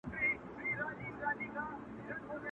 • ستا انګور انګور کتو مست و مدهوش کړم..